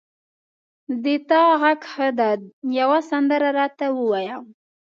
د تا غږ ښه ده یوه سندره را ته ووایه